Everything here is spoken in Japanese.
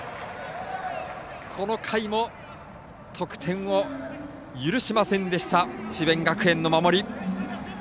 この回も得点を許しませんでした智弁学園の守り。